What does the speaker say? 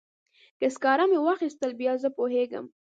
که سکاره مې واخیستل بیا زه پوهیږم.